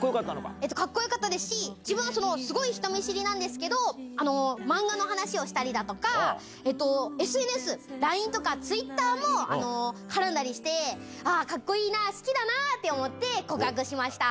かっこよかったですし、自分はすごい人見知りなんですけど、漫画の話をしたりだとか、えーと、ＳＮＳ、ＬＩＮＥとか、ツイッターも絡んだりして、あー、かっこいいな、好きだなって思って、告白しました。